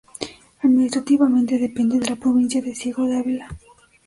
Administrativamente depende de la provincia de Ciego de Ávila.